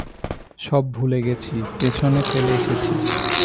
সব ভুলে গেছি, পেছনে ফেলে এসেছি।